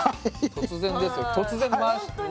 突然ですよ。